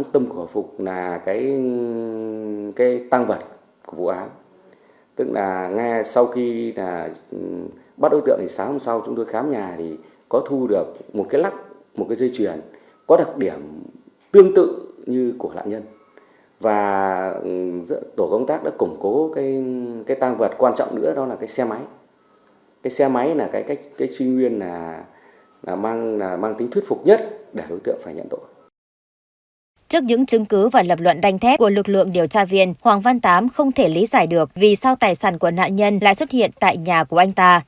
tiếp tục đấu tranh điều tra viên đề nghị tám cho biết về thời gian biểu của anh ta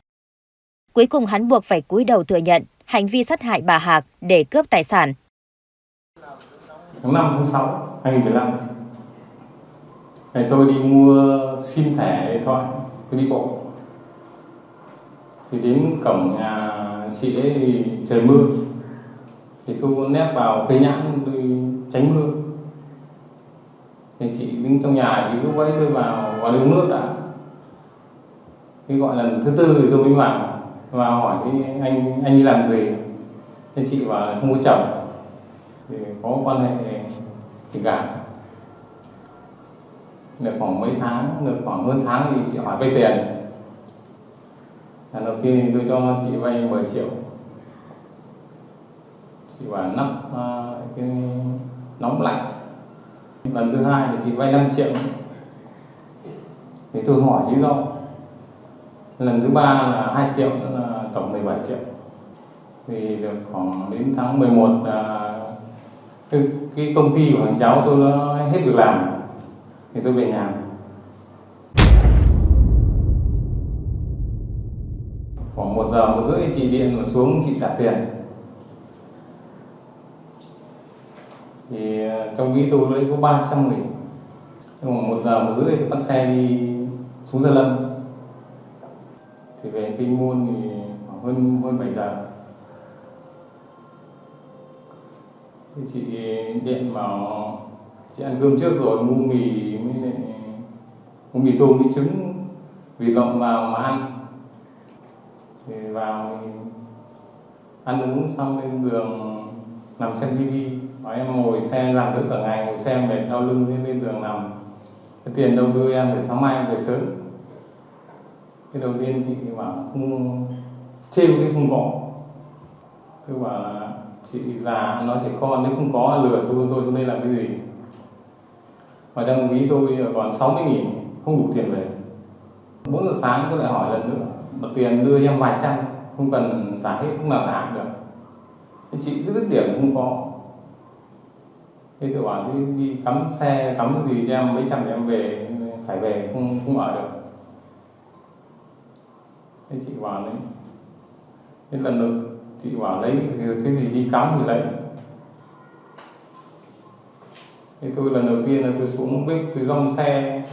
trong đêm ngày bốn và sáng ngày bốn tháng một năm hai nghìn một mươi sáu thì tám cho biết về thời gian biểu của anh ta trong đêm ngày bốn và sáng ngày bốn tháng một năm hai nghìn một mươi sáu thì tám cho biết về thời gian biểu của anh ta trong đêm ngày bốn và sáng ngày bốn tháng một năm hai nghìn một mươi sáu thì tám cho biết về thời gian biểu của anh ta trong đêm ngày bốn và sáng ngày bốn tháng một năm hai nghìn một mươi sáu thì tám cho biết về thời gian biểu của anh ta trong đêm ngày bốn và sáng ngày bốn tháng một năm hai nghìn một mươi sáu thì tám cho biết về thời gian biểu của anh ta trong đêm ngày bốn và sáng ngày bốn tháng một năm hai nghìn một mươi sáu thì tám cho biết về thời gian biểu của anh ta trong đêm ngày bốn và sáng ngày bốn